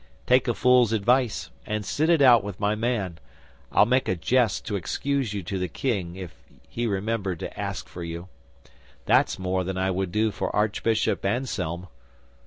Take a fool's advice, and sit it out with my man. I'll make a jest to excuse you to the King if he remember to ask for you. That's more than I would do for Archbishop Anselm."